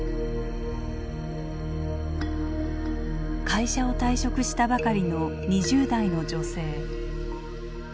会社を退職したばかりの２０代の女性。